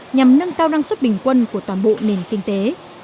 nhằm nâng cao năng suất bình quân của toàn bộ nền kinh tế